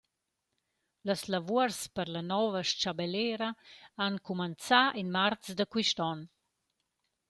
Las lavuors per la nouva s-chabellera han cumanzà in marz da quist on.